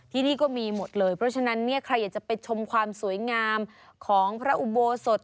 ที่นี่ก็มีหมดเลยเพราะฉะนั้นเนี่ยใครอยากจะไปชมความสวยงามของพระอุโบสถ